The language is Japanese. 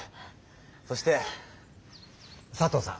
そして佐藤さん。